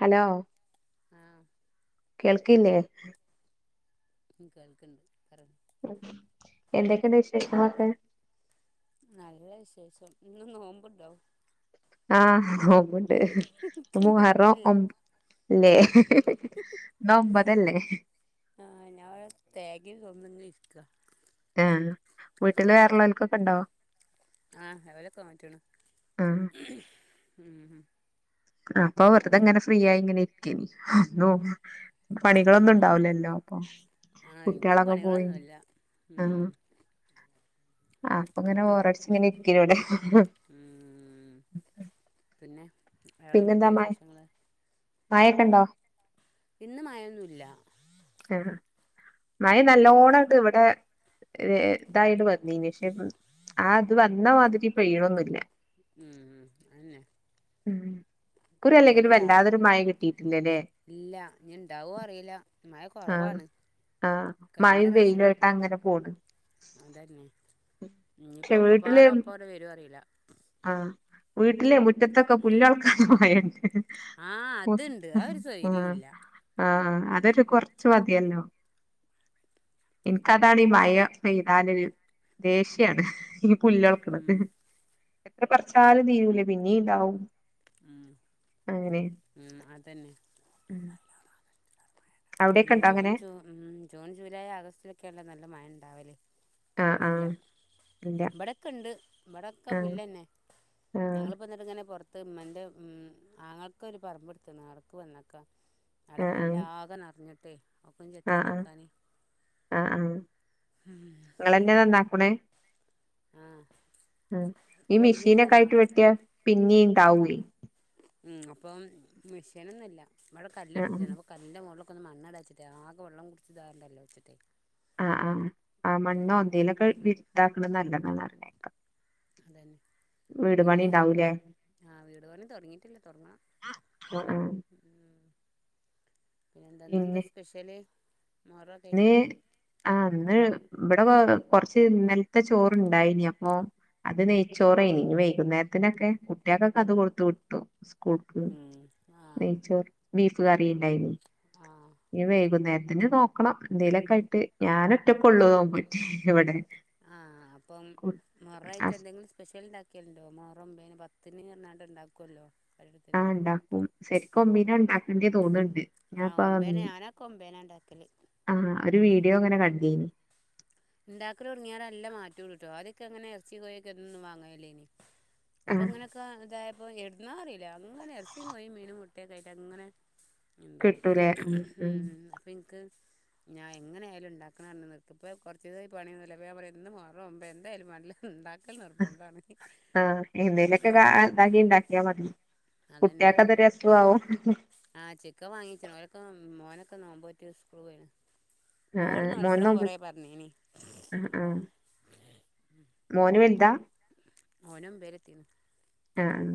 Hello ആഹ് കേൾക്കില്ലേ? കേൾക്കിണ്ട് പറ ഉം എന്തൊക്കെ ഇണ്ട് വിശേഷങ്ങളൊക്കെ? നല്ല വിശേഷം ഇങ്ങള് നോമ്പ്ണ്ടോ? ആഹ് നോമ്പണ്ട് ഇക്ക് നോമ്പില്ല [unintelligible] ഇല്ലേ ഇന്ന് ഒമ്പതല്ലേ. ആഹ് ഞാ ഇവടെ തേങ്ങെ ചൊമന്ന് ഇങ്ങനെ നിക്കാ. ആ വീട്ടില് വേറേ ഉല്ലോൽക്കൊക്കെണ്ടോ? ആഹ് അവരെക്കെ നോറ്റ്ണ് ആഹ് ഉം അപ്പൊ വെറുതെങ്ങനെ ഫ്രീ ആയി ഇങ്ങനെ ഇരിക്കിം. നോ പണികളൊന്നും ആഹ് ഉണ്ടാവലല്ലോ അപ്പൊ ആഹ് ഇൻക്കും കുട്ട്യേളൊക്കെ പോയി. പണികളൊന്നുല്ല ഉം ആഹ് ആഹ് അപ്പൊങ്ങനെ ബോറടിച്ച് ഇങ്ങനെ ഇരിക്കേനിവടെ ഉം പിന്നെ വേളെന്തൊക്കെ വിശേഷങ്ങള്? മാഴെക്കെണ്ടോ? ഇന്ന് മഴെന്നുല്ല. ആഹ് മഴ നല്ലോണ ഇങ്ങട്ട് വടെ ഇതായത് വന്നിനി ക്ഷെ ഉം ആത് വന്ന മാതിരി പെയ്യണൊന്നുല്ല. ഉം അന്നെ ഉം ഇക്കുറി ഇവടെ അല്ലെങ്കിലും രാ. വല്ലാതൊരു മഴ കിട്ടിയിട്ടില്ലല്ലേ ഇല്ല ഇഞ് ഇണ്ടാവോ അറീല്ല. മഴ ആഹ് കൊറവാണ് ആഹ് കഴിഞ്ഞ മഴും വെയിലു പ്രാവശ്യക്കെ ആയിട്ട അങ്ങനെ പോണ്. പക്ഷെ ഇനിപ്പോ വീട്ടില് ഒക്കെപ്പാട ഒപ്പാണ്ട് വരോ അറീ ആഹ് വീട്ടിലെ മുറ്റത്തൊക്കെ പുല്ലൊൾക്കാനാ [unintelligible] ആഹ് അതുണ്ട് ആ ഒരു [unintelligible] സ്വൈര്യവും ആഹ് ഇല്ല ഉം ആഹ് അതന്നെ കൊർ ച്ച് മതിയല്ലോ ഇൻക്കതാണ് ഈ മഴ പെയ്താല് ദേഷ്യാണ്. ഈ പുല്ലൊള്ക്കണ്ത് ഉം എത്ര പർച്ചാലും തീരൂലേ പിന്നീ ഇണ്ടാവും. അഹ്‌ അങ്ങനെ ഉം അതന്നെ ഉം അവിടെക്കെ ഉം ഇണ്ടോ ജൂൺ അങ്ങനെ ജൂ ഉം ജൂൺ ജൂലൈ ആഗസ്റ്റിലൊക്കെല്ലെ നല്ല മഴ ഇണ്ടാവല്. ആഹ് ആഹ് ഇല്ല ഇബടെക്കണ്ട് ഇബടൊക്കെ ആഹ് പുല്ലന്നെ ആഹ് ഞങ്ങള്പ്പത്ട്ട്ങ്ങനെ പൊർ അത്ത് ഇമ്മൻ്റെ ഉം ആങ്ങൾക്കൊരു പറമ്പ്ട്ത്ത്ണ് ആട്ക്ക്‌ വന്നക്കാ അട പുല്ലാക നർഞ്ഞിട്ട് ആ ആ ആ ആഹ് നിങ്ങളെന്നെ നന്നാക്കുണേ ആഹ് ഉം ഈ ഇപ്പൊ ഒഴിഞ്ഞിക്കണ ഞങ്ങൾ മിഷീനൊക്കായിട്ട് വെട്ടിയാ പിന്നീണ്ടാവുയ് ഉം അപ്പം മെഷീനൊന്നുല്ല ഇവടെ ആഹ് കല്ലടിച്ചിട്ടാണ് അപ്പ കല്ലിന്റെ മോൾള് ഒക്കൊന്ന് മണ്ണടാച്ചിട്ടെ ആകെവള്ളം കുടിച്ചിട്ട്താവണ്ടല്ലോച്ചിട്ടേ ആഹ് ആഹ് ആ മണ്ണോ എന്തേലൊക്കെ വിരു താക്കണത് നല്ലതാണ് അറിഞ്ഞേക്കാ അതന്നെ പിന്നെ ഉണ്ടാവൂലേ ആഹ് വീട് പണി തൊടങ്ങിട്ടില്ലേ തൊടങ്ങണം ആഹ് ആഹ് ഉം ഊം പിന്നെന്താ ഇന്നെന്താസ്പെഷ്യല് നീ ആ ന്ന് ഇബടെ കോ കൊർച്ച് ന്നൽത്തെ ചോറുണ്ടായിഞ്ഞു അപ്പൊ അത് നെയ്ച്ചോറെയ്നി ഇനി വൈകുന്നേരത്തിനൊക്കെ കുട്ട്യാക്കൊക്കെ അത് കൊടുത്തുവിട്ടു സ് കൂൾക്ക് ഉം ആഹ് നെയ്ച്ചോർ ബീഫ്കറി ഉണ്ടായിന് ആഹ് ഇനി വൈകുന്നേര് ത്തിന് നോക്കണം എന്തേലൊക്കെ ആയിട്ട് ഞാനൊറ്റക്കൊള്ളു നോമ്പോറ്റേ ഇവടെ ആഹ് അപ്പം മുഹറായിട്ട് ഹസ് എന്തെങ്കിലും സ്പെഷ്യൽ ണ്ടാക്കിയൽണ്ടോ മുഹറം ഒമ്പേനും പത് ത്തിന് അർഞ്ഞാണ്ട് ണ്ടാക്കുവല്ലോ ആഹ് ണ്ടാക്കും സെരിക്കും ഒമ്പീനാ ണ്ടാക്കണ്ടീ തോന്ന്ണ്ട് ആഹ് ഞാൻപ്പാ ആ ഉം ഒമ്പേന് ഞാനൊക്കെ ഒമ്പേനാ ഇണ്ടാക്കല് ആഹ് ഒരു വീഡിയോ അങ്ങനെ കണ്ടീന് ണ്ടാക്കലൊട്ങ്ങിയാരെ നല്ലമാറ്റൊണ്ട്ട്ടാ അത്യോക്കങ്ങനെ എർച്ചികോയിഒക്കെ എന്നും വാങ്ങലല്ലേയ്നി ഇപ്പൊ ആഹ് ഇങ്ങനൊക്കെ ഇതായപ്പൊ എട്ന്നാറീലാ അങ്ങനെ എർച്ചിം കോയിം മീനും മുട്ടയൊക്കായിട്ട് അങ്ങനെ ഇണ്ടാവും കിട്ടൂലേ ഉം ഉം അപ്പൊ ഇൻക്ക് ഞാൻ എങ്ങനെ ആയാലും ഉണ്ടാക്ക്ണാർഞ്ഞ് നിക്ക്പ്പോ കൊർ ച്ച്സായി പണിയൊന്നുല്ല അപ്പൊ ഞാൻ പറിയാ ഇന്ന് മുഹറം ഒമ്പേ എന്തായാലും മാണ്ടില്ല ണ്ടാ ആഹ് എന്തേലൊക്കെ കാ ആ ഇതാക്കിണ്ടാക്കിയാ മതി അതന്നെ കുട്ടികൾക്ക് അത് അതെ രസമാവും ആ ചിക്കൻ വാങ്ങിച്ചെണു ഓലൊക്കെ ഉം മോനൊക്കെ നോമ്പോറ്റ് സ്കൂൾപൊയിണ് മോള് ആഹ് മോന് നോൽക്കണം നോമ്പ് കൊറേ പർഞ്ഞീനി ആഹ് അപം ആഹ് മോന് വൽതാ? ഓനൊമ്പേലെത്തി ആഹ് ആഹ്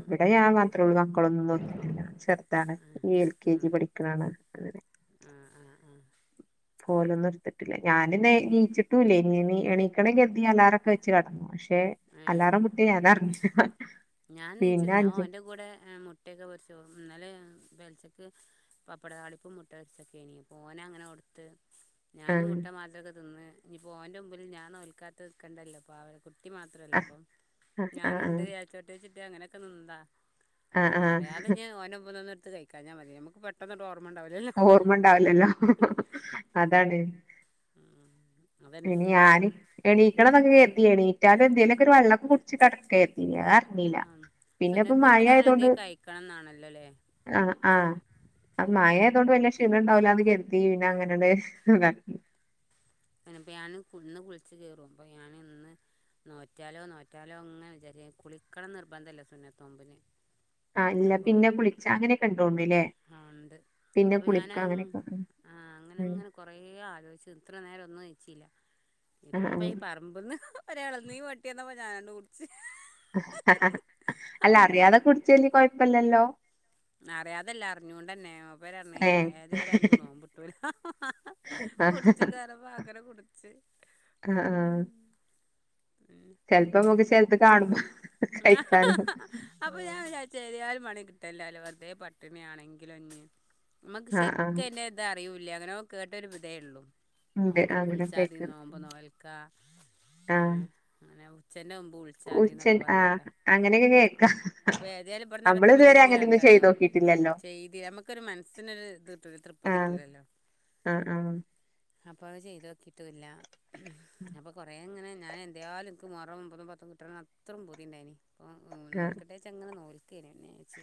ഇവിടെ യാൻ മാത്രേ ഉള്ളൂ മക്കളൊന്നും നോറ്റിട്ടില്ല. ചെറ്താണ്. ഈ എൽ കെ ജി പഠിക്ണാണ്. അങ്ങനെ ആഹ് പോലൊന്നു ട്ത്തിട്ടില്ല. ഞാന് ന്നെ നീച്ചിട്ടുംല്ലേനി. എണീ എണീക്കണം കെര്തി ഞാ അലാറൊക്കെ വെച്ച് കടന്നു. പക്ഷെ ഏഹ് ആ അലാറം മുട്ടിയെ ഞാനറിഞ്ഞി ഞാൻ നീച്ന് ഞാൻ ഓന്റെ കൂടെ മുട്ടൊക്കെ പൊരിച്ചു. ന്നെലെ ഞാ ബെ ച്ചക്ക് പപ്പട താളിപ്പും മുട്ട ഒര്ച്ചൊക്കേനി. പോ ഓനെങ്ങനെ കൊടുത്ത്. ഞാനും മുട്ട ആഹ് മാത്രൊക്കെ തിന്ന് ഞ്ഞിപ്പോ ഓന്റെ മുമ്പിൽ ഞാൻ നോൽക്കാത്ത്ക്കണ്ടല്ലോ പാവ കുട്ടി മാത്രല്ലേ അപ്പം ആഹ് ഞാനും ആഹ് ഉണ്ട് യാര്ചോട്ടെ ചിട്ടിയ അങ്ങനെയൊക്കെ നിന്നതാ ആഹ് അറിയാതെ ഞ് ഓന്റെ മുമ്പ്ന്ന് ഒന്നും എടുത്ത് കഴിക്കാ ഞ്ഞാ മതി. നമുക്ക് പെട്ടെന്നട്ട് ഓ അഹ് ഓർമണ്ടാവ് ലല്ലോ അതാണ് അതന്നെ ഇനി യാന് എണീക്കണന്നൊക്കെ കര്തിയേണീ അ അതെന്തേലൊക്ക ഒരു വെള്ളംക്ക കുടിച്ചട്ടിടക്ക എത്തി ആ സുനത്ത് നുമമ്പിൽ അങ്ങനെ എന്തെും കഴിക്കണംന്നാണല്ലോല്ലേ ആഹ ആ മായായതോൊണ്ട് വല്ല ക്ഷീണ ഉണ്ടാവല അത് കരുത്തി പിന്നെ അങ്ങനെയണ്ട് പ്പോ ഞാൻന്ന് കുളിച്ചച്ച് കയറും അപ്പോ ഞാൻ ഇന്ന് നോറ്റാലോ നോറ്റാലോ അങ്ങനെ വിചരി കുളിക്കണം നിർബന്ധല്ല സുന്നത്തോമ്പിന് ആ ഇല്ല പിന്നെ വിളിച്ച അങ്ങനെ കണ്ടോണ്ടല്ലേ അപ്പൊ ഞാന ആഹ അങ്ങനെ ഉം അങ്ങനെ കൊറേ ആലോചിച്ചു ഇത്ര നേരം ഒന്ന് വെച്ച ആഹ് ഇപ്പം ഈ പറമ്പിൽന്ന് ഒര ഇളുന്ന വട്ടിന്നപ്പോൾ ഞാനണ്ട് കുടിച്ച് അല്ല അങ്ങനെ അറിയാതെ പോ കുടിച്ചല്ല കൊഴപ്പില്ലല്ലോ അറിയാതല്ല അറിഞ്ഞോൊണ്ട്ന്നെ പേര് ഏഹ് ഏതലും എനിക്ക് നോന്ന്പിട്ടൂല ആഹ് കുടിച്ചു കറ വങ്ങന കുടച്ച്ു ആഹ ആഹ ആ കഴിക്കാനും അപ്പൊ ഞാൻ ആഹ് വിചാരിച്ച ആ ഒരു മണി കിട്ടല്ല വെതെ പട്ടിണി ആണെങ്കിലും ഒ നമുക്ക് ആഹ് ശരിക്കും എത അറിയൂല്ലേ അങ്ങനെ കേട്ടൊരു വിധയേയള്ളൂ ഉണ്ട് അങ്ങനെ കുളിച്ചാതി കേക്കണം നോമ്പ് നോൽക്ക ആ അങ്ങനെ ചെ മുമ്പ് ഉച്ച വിളിച്ചാൽ അ ആ അങ്ങനെയൊക്കെ കേൾക്കാം ഏതാലും ഇവിടെ നമ്മൾ ഇതുവരെ ഇതുബേക്കും രണ്ടു അങ്ങനെയൊന്നും ചെയ്ത് മണിയാവും നോക്കിട്ടില്ലല്ലോ ചെയ്തില്ല നമുക്കൊരു മനസ്സിനൊ ഒരു ഇത് കിട്ടൂ തൃപ്തി കിട്ടൂലല്ലോ ആഹ ആഹ അപ്പൊ അത് ചെയ്ത് നോക്കിട്ടില്ല അപ്പൊ കൊറ എങ്ങനെ ഞാന എന്താലുംനിക്ക് മറുമ മുതും പത്തും കിട്ട അത്രയും പുതിയ ഉണ്ടായിന് ആഹ് ആഹ് ആ നൂൽക്കട്ടെ വെച്ചങ്ങനെ നൂൽക്കേനന്നെന്നാച്ച്.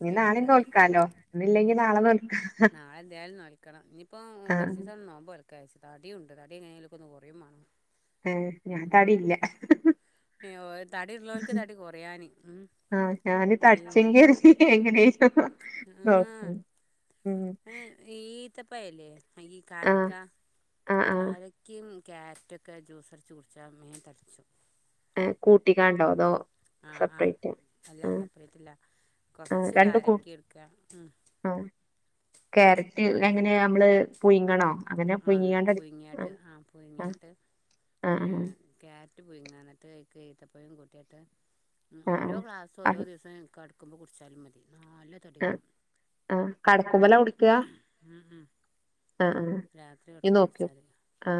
ഇനി നാളെയും തോൽക്കാലോ. ഇന്നില്ലെങ്കി നാളെ തോൽക്ക വെക്കണം. ഇനിയിപ്പോ കൊറച്ചുവ്‌സം നോമ്പനോൽക്ക തടിയൊണ്ട്. തടിയെങ്ങനെ ഒന്ന്കൊറെയുമാറണം. ഹ് ഞാൻ താടിയില്ല തടി ഉള്ളവർക്ക് തടി കുറയാൻ ആഹ് ഞാന് തടിച്ചെങ്കി എനിക്കെങ്ങനേലും [unintelligible] ഏഹ് ഈ ഈത്തപ്പഴല്ലേ. ഈ ആ കാരക്ക. ആ ആ കാരക്കയും ക്യാരറ്റൊക്കെ ജ്യൂസടിച്ചുടിച്ചാൽ മേൻ തടിച്ചു. ഏ കൂട്ടിക്കാണ്ടോ അതോ ആഹ് ആഹ് സെപ്പറേറ്റ് ആ അല്ല സപ്പെറേറ്റല്ല. ആ രണ്ട് കൂ ഉം ആ ക്യാരറ്റ് എങ്ങനാ നമ്മള്. പുഴുങ്ങണോ? അങ്ങനെ ആന്ന് പുഴുങ്ങിക്കാണ്ട് അടി- പുഴുങ്ങ്യാട്ട് ആ ആ പുഴുങ്ങ്യാട്ട്. ആ ആ ങ് കാര്യാറ്റ് പുഴുങ്ങാനത്തേ. ഈത്തപ്പഴോം കൂട്ടിയിട്ട് ഉം ആ ഓരോ ക്ലാസ്സും ആ ആ ഓരോ ദിവ്സവും കെടക്കുമ്പോൾ കുടിച്ചാലും മതി. നല്ല തടി ആഹ് വെക്കും ആഹ് കടക്കുമ്പോലാ കുടിക്ക്യാ ഉം ഉം ആഹ് ആഹ് ആഹ് രാത്രി നീ കിടക്കുമ്പോ നോക്ക്യോ കുടിച്ചാല് ആ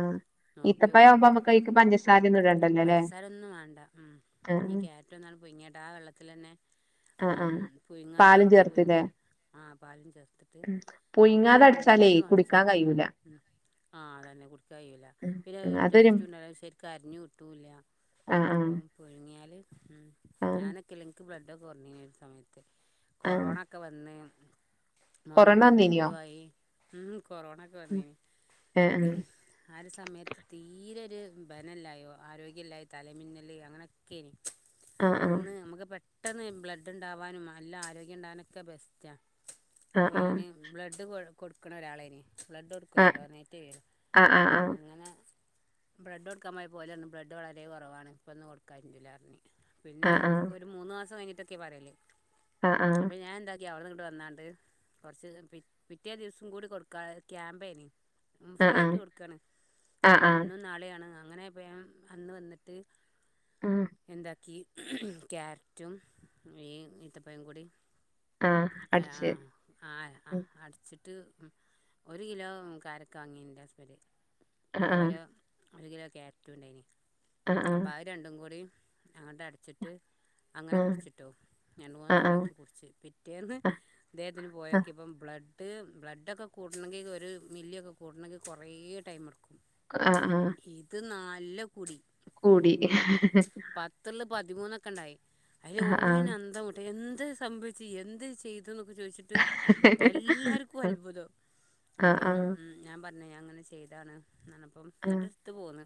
നോക്കി നോക്കോണ്ടി ഇത്തപ്പഴയാവുമ്പോമ്മക്കാക്ക് പഞ്ചസാരയൊന്നും ഇടേണ്ട. പഞ്ചസാര ഒന്നും വേണ്ട ഉം. ഈ ആഹ് ക്യാരെറ്റൊന്നാൾ പുഴങ്ങിട്ക ആ വെള്ളത്തിലന്നെ. ആഹ് ആഹ് പാലും ചേർത്തില്ലേ. ആ പാലും ചേർത്തിട്ട് ഉം പുഴുങ്ങാതെ അടിച്ചാലേ പാലില്ലെങ്കിലും അടച്ചാ കുടിക്കാൻ കഴിയൂല ആ അതന്നെ കുറുക്കാകയില്ല. ഉം പിന്നെ ഉം അരു അതൊരു ടേസ്റ്റുന്നെ ശെരിക്കരഞ്ഞുട്ടും. ആഹ് ഓ പുഴുങ്ങിയാല് ഉം ആഹ് ആഹ് ഞാനൊക്കെലെനിക്ക് ബ്ലഡൊക്കെ കുറഞ്ഞിന്നുന്നൊരു സമയത്ത്. ആഹ് കൊറോണക്കെ വന്ന് മോനെ കൊറോണ വന്നീനിയോ പ്രഗ്നന്റുയായി ഉം കൊറോണ ഒക്കെ ഉം. വന്നന് ഏഹ് ഏഹ് ആയൊരു സമയത്ത് തീരെ ഒരു ബനല്ലായോ. ആരോഗ്യമില്ലായി. തലമിന്നല് അങ്ങനെയൊക്കെയനി ആഹ് അന്ന് നമ്മക്ക് പെ പെട്ടെന്ന് ബ്ലഡ് ഉണ്ടാവാനും നല്ല ആരോഗ്യം ഉണ്ടകാനെക്കെ ബെസ്റ്റാ. അപ്പൊ ആഹ് ഞാന് ബ്ലഡ് കൊ കൊടുക്കണ ഒരാളേന്. ബ്ലഡ് കൊടുക്കുല്ലോ. ആഹ് ഡൊണേറ്റ് ചെയ്യു. ആഹ് ആഹ് അങ്ങനെ ബ്ലഡ്ഡ് കൊടുക്കാൻ പോയപ്പൊ ഓല് റഞ്ഞു ബ്ലഡ് വളരെ കൊറവാണ്. ഇപ്പൊന്ന് കൊടുക്കാറ്റൂലറഞ്ഞു പിന്നെ ആഹ് ആഹ് ഒരു മൂന്ന് മാസം കഴി തൊക്കെ പറേല്. ആഹ് അപ്പ ഞാനെന്താ യ്യ് അവ്ട്ന്ന്ങ്ങ്ട്ട് വന്നാണ്ട്. കൊറച്ചീസം പി പിറ്റേ ദിവസം കൂടി കൊടുക്കായ ക്യാമ്പേന്. ആഹ് ആഹ് ആഹ് ഫ്രീയായിറ്റ് കൊടുക്കാണ്. ആഹ് ആഹ് ആഹ് അപ്പം ആഹ് ഇന്നും നാളെയാണ്. അങ്ങനേപ്പൊ ഞാൻ അന്ന് വന്നിട്ട്. ആഹ് എന്താക്കി ക്യാരറ്റും ഈ ഇത്തപ്പയോം കൂടി ആ അടിച്ച് ഉം ത്ത് ഉം ഒരു കിലോ കാരക്ക വാങ്ങിന്റെ ഹസ്ബന്റ് ആഹ് അതേപോലെ. ഒരു കിലോ ക്യാരറ്റുണ്ടായിന് ആഹ് ആഹ് അപ്പഹ് രണ്ടും കൂടി അങ്ങോട്ടടച്ചിട്ട്. അങ്ങനെ ആഹ് കുടിച്ചിട്ടോ. രണ്ട് മൂന്ന് ആഹ് ആഹ് തവണാക്കി കുടിച്ച്. പിറ്റേന്ന് ആഹ് ഇദ്ദേഹത്തിന് ആഹ് പോയോക്കിയപ്പം ബ്ലഡ്. ഡ് ബ്ലഡൊക്കെ കൂടണെങ്കി ഒരു മില്ലിയൊക്കെ കൂടണെങ്കി കൊറേ ടൈമുടുക്കും. അ അ ആ ല്ലക്കുടി കൂടി ഒക്കെണ്ടായി. അയിലോലെന്നന്ധം വിട്ട്. എന്ത് സംഭവിച്ച് എന്ത് ചെയ് തുന്നൊക്കെ ചോയ്ച്ചിട്ട് എല്ലാർക്കും അൽഭുതം. അപ്പോ ഞാൻ പറ ന്ന് ഞാങ്ങനെ ചെയ്താണ്ന്ന്റഞ്ഞപ്പോം ന്നിട്ട് ടുത്ത് പോന്ന്.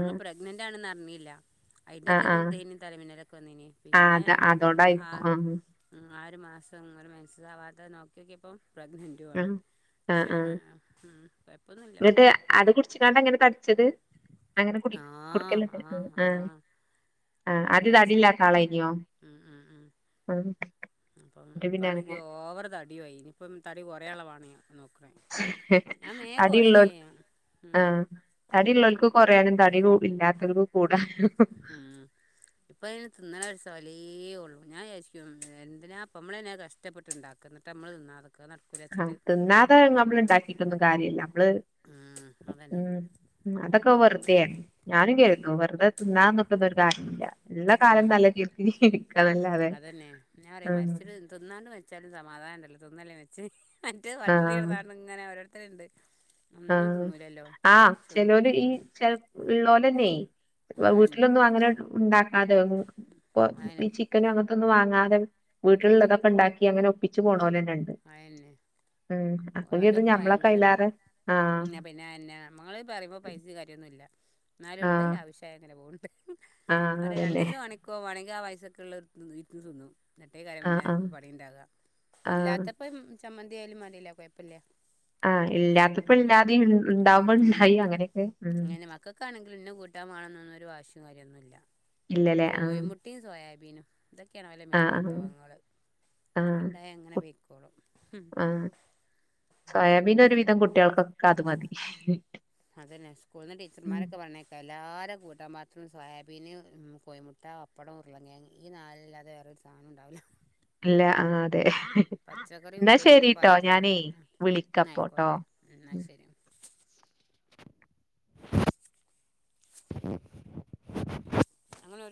അന്ന് പ്രഗ്നന്റാ ണെന്നറിഞ്ഞില്ല. ആ അയിന്റോക്കെ ആ ദേനു തലമിന്നലൊക്കെ വന്നേന ആ പിന്നെ അത് ആ അതോണ്ടായിരിക്കും ഉം. ആയൊരുമാസം ങ്ങനെ മെൻസസാവാതെ നോക്കിയോക്കിപ്പം പ്രഗ്നൻറ്റുആ ണ്. അ ആ ന്നിട്ട് അത് കുടിച്ച്ങ്ങാണ്ടങ്ങനെ തടിച്ചത്. ങ്ങനെ കുടി ആ കുടിക്കല്ണ്ട് എ ആ ആ അങ്ങനെ ആദ്യ തടില്ലാത്ത ആളായിനിയോ തടിച്ചതാ ഉം അപ്പം ഇപ്പാണെങ്കി ഓവർ തടിയുവായി. ന് ഇപ്പം തടി കൊറയാളവാണ്യ നോക്കണെ ഞാൻ വേം കൊറേക്കെ യ്യും ഉം തടി ള്ളോൽക്ക് കൊറയാനും തടി കൂടി ഇല്ലാത്തോൽക്ക് ഉം ഇപ്പയിന് തിന്ന്ണൊരു സലീ ഒ തു ഞാവിജാരിച്ചും എന്തിനാപ്പ മ്മളന്നെ കഷ്ടപ്പെട്ടുണ്ടാക്ക ന്നിട്ട് നമ്മള് തിന്നാതെ ആ തിന്നാതെ നമ്മള് ണ്ടാക്കിട്ടൊന്നും കാര്യല്ല നമ്മള് ഉം, അതന്നെ ഉം ഉം അതൊക്കെ വെർതേണ് ഞാനുംകരുതും വെർതെ തിന്നാന്നുട്ടൊന്നൊരു കാര്യോല്ല. ഉം അതന്നെ ഞാറയാ ഉം മരിച്ചിട്ട് തിന്നാണ്ട് മരിച്ചാലും സമാധാനൊണ്ടല്ലോ. ഇതൊന്നല്ല വെച്ചെ മറ്റെത് പട്ടിണി കെടന്നാണ്ട്ങ്ങനെ ഓരോരുത്തര്ണ്ട്. ആ ആ സു- ചെലോര് ഈ ഉം, ചെല ഉള്ളോലെന്നേ ഇപ്പൊ താ അതന്നെ വീട്ടിലൊന്നും അങ്ങനെ ഉണ്ടാക്കാതെ പ്പൊ അതന്നെ ഈ ചിക്കനും അങ്ങൻ ത്ത്ന്ന്‌ വാങ്ങാതെ വീട്ടിലുള്ളതൊക്കെണ്ടാക്കി അങ്ങനെ ഒപ്പിച്ച് പോണോല്ണ്ട് ണ്ട് അതന്നെ ഉം അപ്പെക്കിത് ഞമ്മളെക്കയ്യിലേറെ ന്നെ പിന്നെ അയെന്നെ നമ്മള് പറയുമ്പോ പൈസീ കാര്യോന്നുല്ല ന്നാലും ഇള്ളെ ആഹ് ലാവിഷായി ങ്ങനെ പോണ് ആഹ് അല്ലേ അതന്നെ രണ്ടീസണിക്കോവാണെങ്കി ആ പൈസക്ക്‌ള്ളതിരുന്ന് തിന്നും മറ്റേകാര്യം ആഹ് പിന്നെ ആഹ് പണിണ്ടാക ഇല്ലാ ആഹ് ചമ്മന്തിയാലും മതിലേ കൊയപ്പല്ല ആ ഇല്ലാത്തപ്പ ഇല്ലാതേം ഇണ്ടാവുമ്പോ ഉം ഇണ്ടായിം അങ്ങനൊക്കെ ഉം ഇഷ്ടമാണെന്നൊന്നൊരു വാശീ കാര്യൊന്നുല്ല. ഇല്ലല്ലേ ആഹ് കോയിമുട്ടിം സോയാബീനും ഇത ക്കെയാണോലെ ആഹ് മെയിൻ ആഹ് വിഭവങ്ങള് ആഹ് അത്ണ്ടായൽ അങ്ങനെ കു വെയ്ക്കോളും. ആഹ് സോയാബീൻ ഒരു വിധം കുട്ടികൾക്കൊക്കെ അത് മതി. അതന്നെ സ്കൂളിന്ന്‌ ഉം ടീച്ചർമാരക്കെ പറണേക്കാ എല്ലാ ല്ലെ കൂട്ടാ പാത്രം സോയാബീന്, കോയ്മുട്ട, അപ്പടം, ഉരുളങ്കിഴങ്ങ് ഈ നാലല്ലാതെ വേറൊരു സാനോ ണ്ടാവില്ല. അല്ല ആ അതെ. പച്ചക്കറിയും എന്നാ ഉപ്പേരിന്നും ഇപ്പ ശരിട്ടോ ആർക്കും വേണ്ട ഞാനേ വിളിക്കപ്പോട്ടോ എന്നായിക്കോട്ടെ എന്ന ശരി. [unintelligible] ഞങ്ങളോരോ